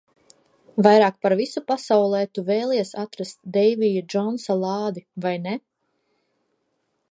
Vairāk par visu pasaulē tu vēlies atrast Deivija Džonsa lādi, vai ne?